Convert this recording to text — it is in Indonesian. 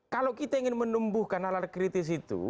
kalau kita ingin menumbuhkan hal hal kritis itu